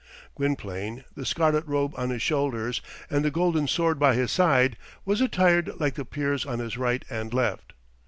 Gwynplaine, the scarlet robe on his shoulders, and the golden sword by his side, was attired like the peers on his right and left.